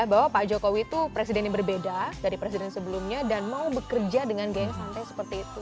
bahwa pak jokowi itu presiden yang berbeda dari presiden sebelumnya dan mau bekerja dengan gaya yang santai seperti itu